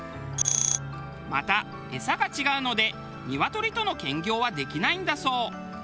またエサが違うのでニワトリとの兼業はできないんだそう。